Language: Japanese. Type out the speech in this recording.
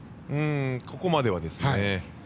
ここまではですね。